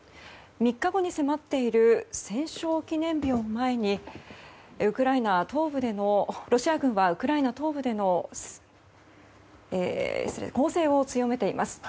３日後に迫っている戦勝記念日を前にロシア軍はウクライナ東部での攻勢を強めています。